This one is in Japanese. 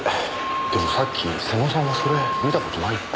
でもさっき瀬野さんはそれ見た事ないって。